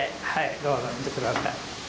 どうぞ見て下さい。